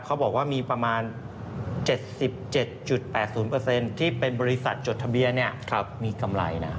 เขาบอกว่ามีประมาณ๗๗๘๐ที่เป็นบริษัทจดทะเบียนมีกำไรนะ